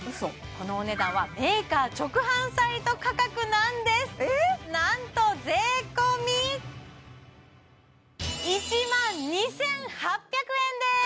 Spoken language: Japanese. このお値段はメーカー直販サイト価格なんですなんと税込１万２８００円です！